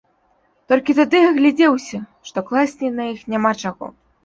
Толькі тады агледзеўся, што класці на іх няма чаго.